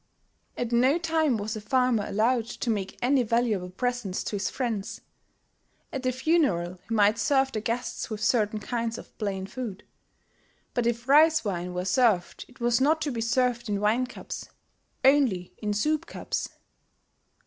At no time was a farmer allowed to make any valuable presents to his friends. At a funeral he might serve the guests with certain kinds of plain food; but if rice wine were served it was not to be served in wine cups, only in soup cups!